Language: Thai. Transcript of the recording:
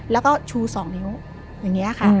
แล้วก็ชู๒นิ้วอย่างนี้ค่ะ